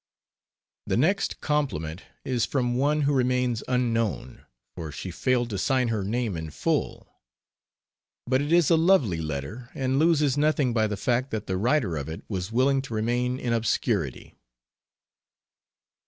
The next "compliment" is from one who remains unknown, for she failed to sign her name in full. But it is a lovely letter, and loses nothing by the fact that the writer of it was willing to remain in obscurity.